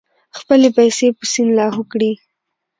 خپلې پیسې په سیند لاهو کړې.